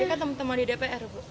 ini kan teman teman di dpr bu